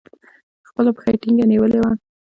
خپله پښه يې ټينگه نيولې وه.